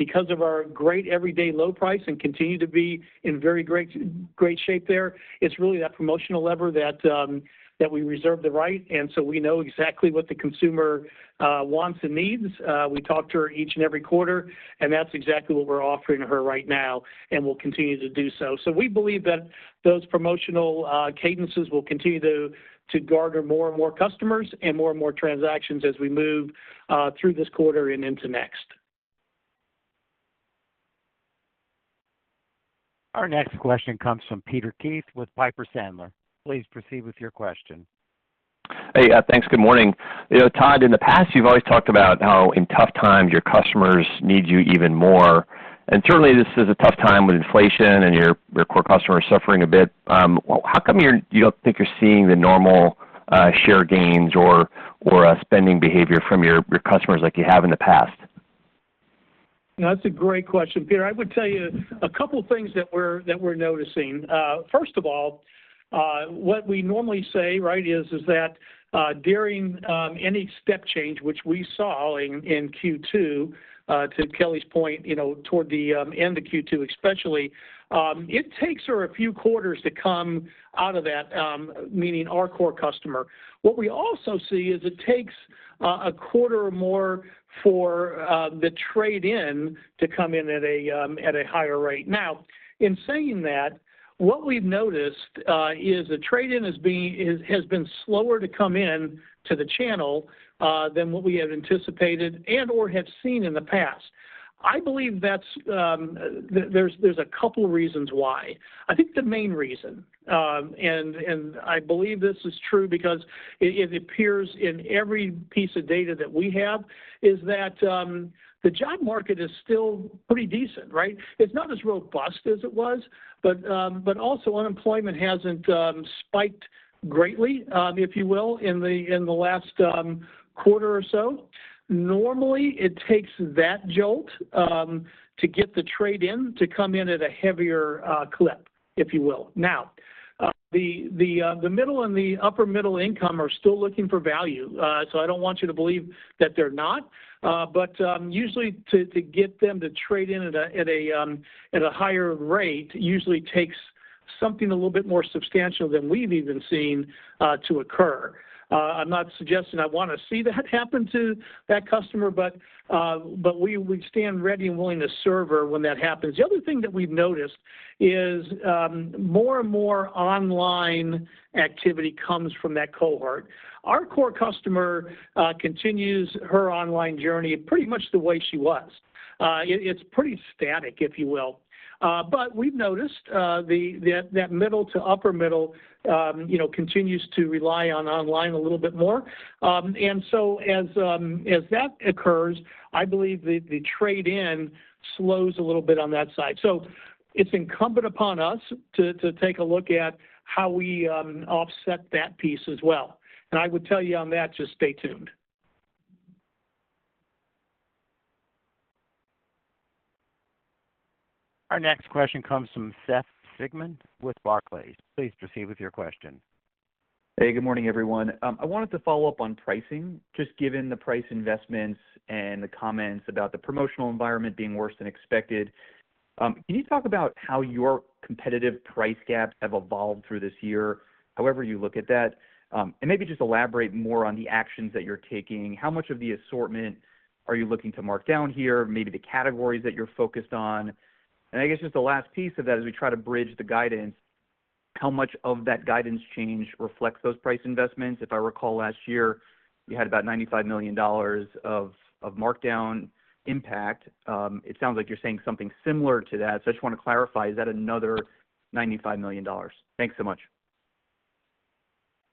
because of our great everyday low price and continue to be in very great, great shape there, it's really that promotional lever that we reserve the right, and so we know exactly what the consumer wants and needs. We talk to her each and every quarter, and that's exactly what we're offering her right now, and we'll continue to do so. So we believe that those promotional cadences will continue to garner more and more customers and more and more transactions as we move through this quarter and into next. Our next question comes from Peter Keith with Piper Sandler. Please proceed with your question. Hey, thanks. Good morning. You know, Todd, in the past, you've always talked about how in tough times, your customers need you even more. And certainly, this is a tough time with inflation, and your core customer is suffering a bit. How come you don't think you're seeing the normal share gains or spending behavior from your customers like you have in the past? That's a great question, Peter. I would tell you a couple things that we're noticing. First of all, what we normally say, right, is that during any step change, which we saw in Q2, to Kelly's point, you know, toward the end of Q2 especially, it takes her a few quarters to come out of that, meaning our core customer. What we also see is it takes a quarter or more for the trade-down to come in at a higher rate. Now, in saying that, what we've noticed is the trade-down has been slower to come in to the channel than what we had anticipated and/or have seen in the past. I believe that's. There's a couple of reasons why. I think the main reason, and I believe this is true because it appears in every piece of data that we have, is that the job market is still pretty decent, right? It's not as robust as it was, but also, unemployment hasn't spiked greatly, if you will, in the last quarter or so. Normally, it takes that jolt to get the trade in to come in at a heavier clip, if you will. Now, the middle and the upper-middle income are still looking for value. So I don't want you to believe that they're not, but usually to get to trade in at a higher rate, usually takes something a little bit more substantial than we've even seen to occur. I'm not suggesting I wanna see that happen to that customer, but, but we, we stand ready and willing to serve her when that happens. The other thing that we've noticed is, more and more online activity comes from that cohort. Our core customer continues her online journey pretty much the way she was. It, it's pretty static, if you will. But we've noticed, the, the, that middle to upper middle, you know, continues to rely on online a little bit more. And so as, as that occurs, I believe the, the trade in slows a little bit on that side. So it's incumbent upon us to, to take a look at how we, offset that piece as well. And I would tell you on that, just stay tuned. Our next question comes from Seth Sigman with Barclays. Please proceed with your question. Hey, good morning, everyone. I wanted to follow up on pricing, just given the price investments and the comments about the promotional environment being worse than expected. Can you talk about how your competitive price gaps have evolved through this year, however you look at that? And maybe just elaborate more on the actions that you're taking. How much of the assortment are you looking to mark down here, maybe the categories that you're focused on? And I guess just the last piece of that, as we try to bridge the guidance, how much of that guidance change reflects those price investments? If I recall, last year, you had about $95 million of markdown impact. It sounds like you're saying something similar to that. So I just want to clarify, is that another $95 million? Thanks so much.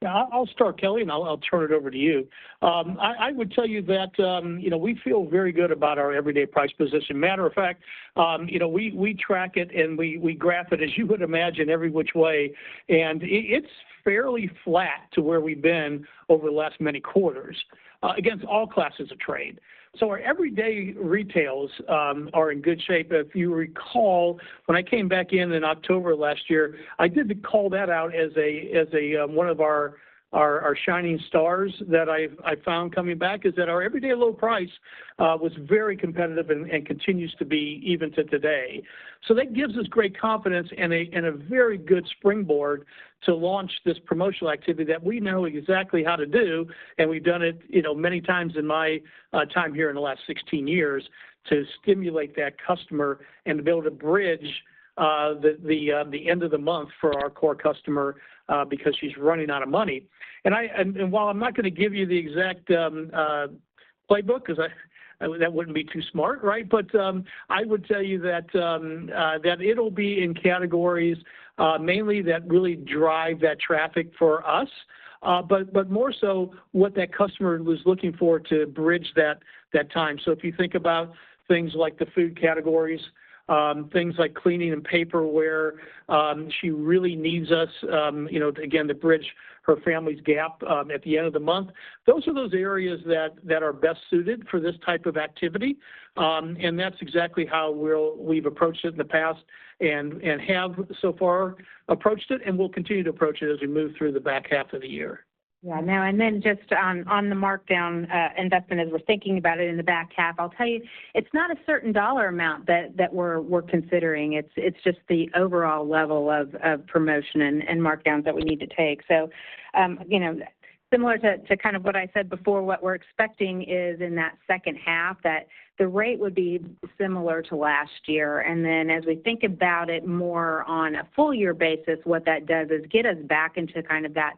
Yeah, I'll start, Kelly, and I'll turn it over to you. I would tell you that, you know, we feel very good about our everyday price position. Matter of fact, you know, we track it, and we graph it, as you would imagine, every which way, and it's fairly flat to where we've been over the last many quarters, against all classes of trade. So our everyday retails are in good shape. If you recall, when I came back in October last year, I did call that out as a one of our shining stars that I found coming back, is that our everyday low price was very competitive and continues to be even to today. So that gives us great confidence and a very good springboard to launch this promotional activity that we know exactly how to do, and we've done it, you know, many times in my time here in the last 16 years, to stimulate that customer and to be able to bridge the end of the month for our core customer because she's running out of money. And while I'm not gonna give you the exact playbook, 'cause that wouldn't be too smart, right? But I would tell you that that'll be in categories mainly that really drive that traffic for us, but more so, what that customer was looking for to bridge that time. So if you think about things like the food categories, things like cleaning and paperware, she really needs us, you know, again, to bridge her family's gap, at the end of the month. Those are the areas that are best suited for this type of activity, and that's exactly how we've approached it in the past and have so far approached it, and we'll continue to approach it as we move through the back half of the year. Yeah. Now, and then just on the markdown investment, as we're thinking about it in the back half, I'll tell you, it's not a certain dollar amount that we're considering. It's just the overall level of promotion and markdowns that we need to take. So, you know, similar to what I said before, what we're expecting is in that second half, that the rate would be similar to last year. And then as we think about it more on a full year basis, what that does is get us back into kind of that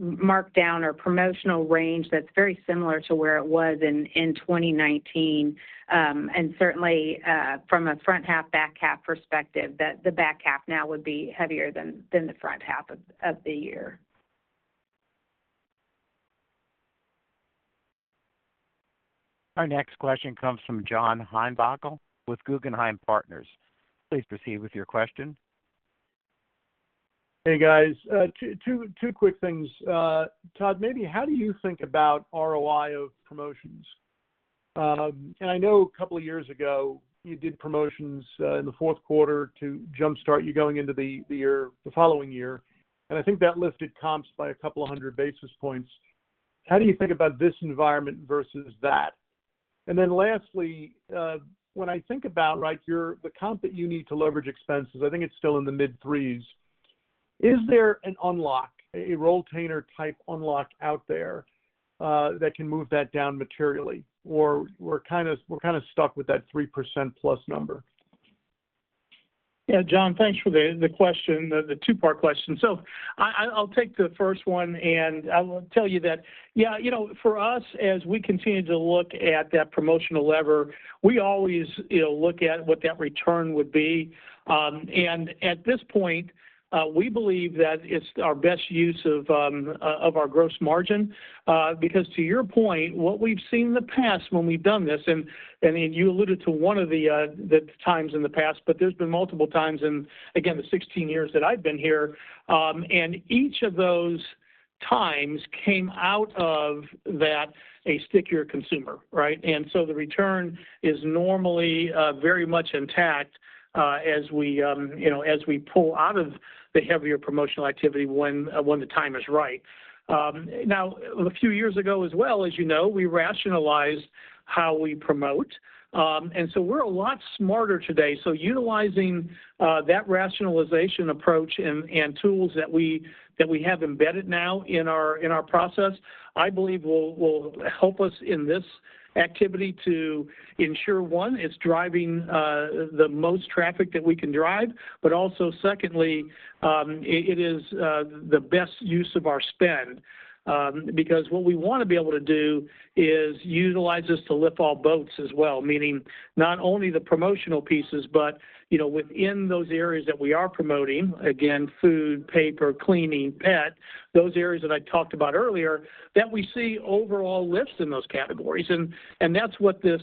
markdown or promotional range that's very similar to where it was in 2019. And certainly, from a front half, back half perspective, that the back half now would be heavier than the front half of the year. Our next question comes from John Heinbockel with Guggenheim Partners. Please proceed with your question. Hey, guys. Two quick things. Todd, maybe how do you think about ROI of promotions? And I know a couple of years ago, you did promotions in the fourth quarter to jumpstart you going into the year, the following year, and I think that lifted comps by a couple of hundred basis points. How do you think about this environment versus that? And then lastly, when I think about, right, your- the comp that you need to leverage expenses, I think it's still in the mid threes. Is there an unlock, a Rolltainer type unlock out there that can move that down materially, or we're kind of stuck with that 3%+ number? Yeah, John, thanks for the question, the two-part question. So I'll take the first one, and I will tell you that, yeah, you know, for us, as we continue to look at that promotional lever, we always, you know, look at what that return would be. And at this point, we believe that it's our best use of our gross margin, because to your point, what we've seen in the past when we've done this, and you alluded to one of the times in the past, but there's been multiple times in, again, the 16 years that I've been here. And each of those times came out of that, a stickier consumer, right? And so the return is normally very much intact as we, you know, as we pull out of the heavier promotional activity when the time is right. Now, a few years ago as well, as you know, we rationalized how we promote. And so we're a lot smarter today. So utilizing that rationalization approach and tools that we have embedded now in our process, I believe will help us in this activity to ensure, one, it's driving the most traffic that we can drive, but also secondly, it is the best use of our spend. Because what we wanna be able to do is utilize this to lift all boats as well, meaning not only the promotional pieces but, you know, within those areas that we are promoting, again, food, paper, cleaning, pet, those areas that I talked about earlier, that we see overall lifts in those categories. And that's what this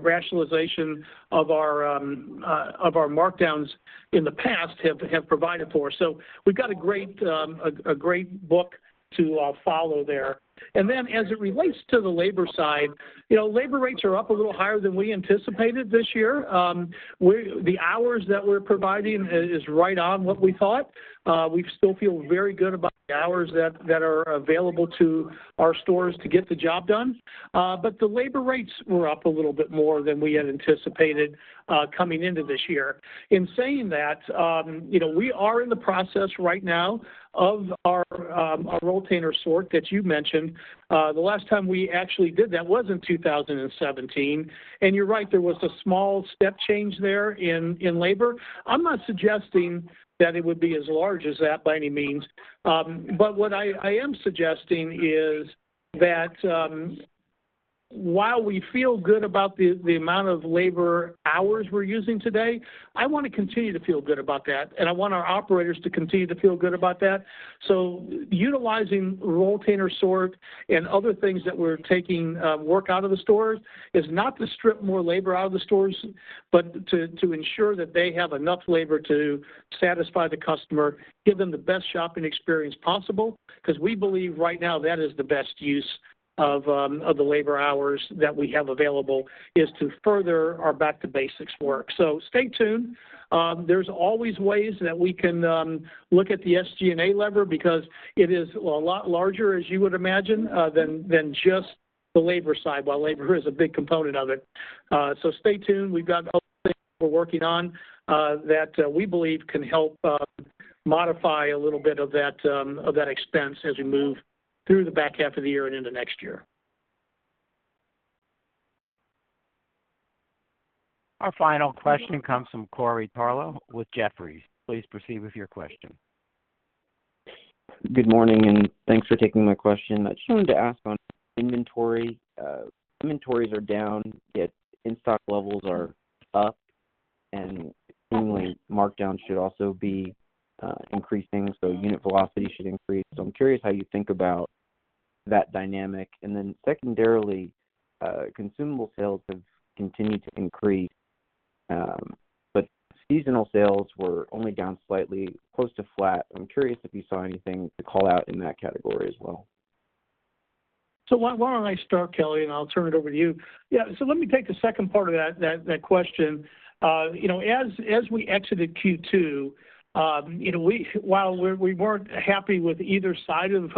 rationalization of our markdowns in the past have provided for us. So we've got a great book to follow there. Then, as it relates to the labor side, you know, labor rates are up a little higher than we anticipated this year. The hours that we're providing is right on what we thought. We still feel very good about the hours that are available to our stores to get the job done. But the labor rates were up a little bit more than we had anticipated, coming into this year. In saying that, you know, we are in the process right now of our Rolltainer sort, that you mentioned. The last time we actually did that was in 2017, and you're right, there was a small step change there in labor. I'm not suggesting that it would be as large as that by any means. But what I am suggesting is that, while we feel good about the amount of labor hours we're using today, I wanna continue to feel good about that, and I want our operators to continue to feel good about that. So utilizing Rolltainer sort and other things that we're taking work out of the stores is not to strip more labor out of the stores, but to ensure that they have enough labor to satisfy the customer, give them the best shopping experience possible, 'cause we believe right now that is the best use of the labor hours that we have available Back to Basics work. so stay tuned. There's always ways that we can look at the SG&A lever because it is a lot larger, as you would imagine, than just the labor side, while labor is a big component of it. So stay tuned. We've got a whole thing we're working on that we believe can help modify a little bit of that expense as we move through the back half of the year and into next year. Our final question comes from Corey Tarlowe with Jefferies. Please proceed with your question. Good morning, and thanks for taking my question. I just wanted to ask on inventory. Inventories are down, yet in-stock levels are up, and seemingly, markdown should also be increasing, so unit velocity should increase. So I'm curious how you think about that dynamic. And then secondarily, consumable sales have continued to increase, but seasonal sales were only down slightly, close to flat. I'm curious if you saw anything to call out in that category as well. So why don't I start, Kelly, and I'll turn it over to you? Yeah, so let me take the second part of that question. You know, as we exited Q2, you know, we weren't happy with either side of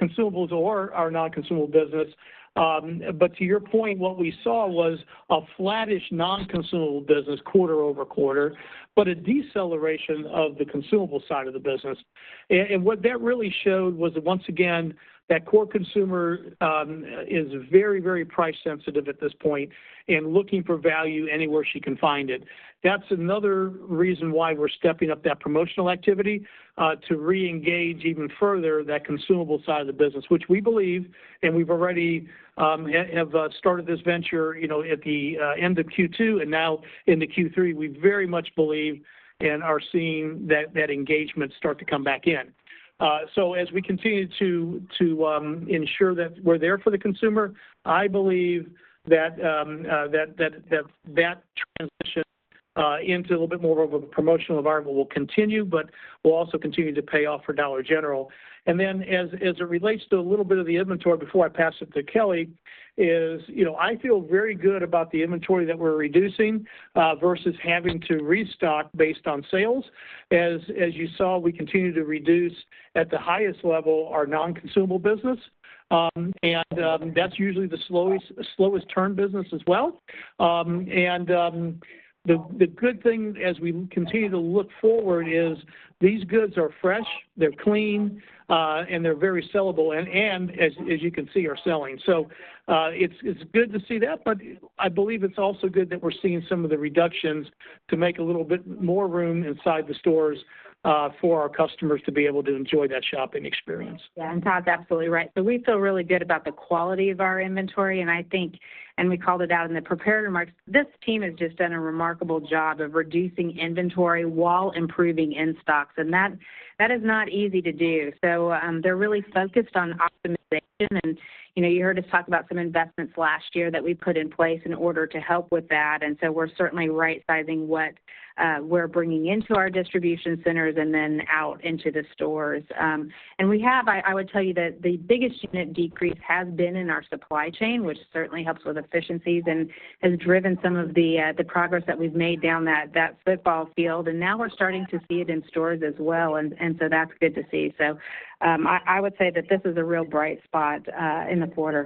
consumables or our non-consumable business, but to your point, what we saw was a flattish non-consumable business quarter over quarter, but a deceleration of the consumable side of the business. And what that really showed was that, once again, that core consumer is very, very price sensitive at this point and looking for value anywhere she can find it. That's another reason why we're stepping up that promotional activity, to reengage even further that consumable side of the business, which we believe, and we've already started this venture, you know, at the end of Q2 and now into Q3. We very much believe and are seeing that engagement start to come back in. So as we continue to ensure that we're there for the consumer, I believe that that transition into a little bit more of a promotional environment will continue, but will also continue to pay off for Dollar General. And then as it relates to a little bit of the inventory, before I pass it to Kelly, you know, I feel very good about the inventory that we're reducing versus having to restock based on sales. As you saw, we continue to reduce, at the highest level, our non-consumable business, and that's usually the slowest turn business as well. The good thing as we continue to look forward is these goods are fresh, they're clean, and they're very sellable, and as you can see, are selling, so it's good to see that, but I believe it's also good that we're seeing some of the reductions to make a little bit more room inside the stores for our customers to be able to enjoy that shopping experience. Yeah, and Todd's absolutely right. So we feel really good about the quality of our inventory, and I think, and we called it out in the prepared remarks, this team has just done a remarkable job of reducing inventory while improving in-stocks, and that, that is not easy to do. So, they're really focused on optimization. And, you know, you heard us talk about some investments last year that we put in place in order to help with that, and so we're certainly right-sizing what we're bringing into our distribution centers and then out into the stores. I would tell you that the biggest unit decrease has been in our supply chain, which certainly helps with efficiencies and has driven some of the progress that we've made down that football field, and now we're starting to see it in stores as well. And so that's good to see. So I would say that this is a real bright spot in the quarter.